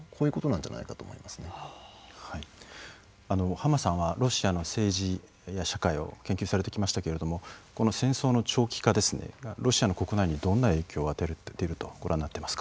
あの浜さんはロシアの政治や社会を研究されてきましたけれどもこの戦争の長期化がロシアの国内にどんな影響を与えているとご覧になっていますか？